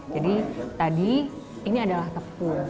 jadi tadi ini adalah tepung